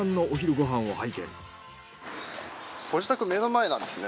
ご自宅目の前なんですね。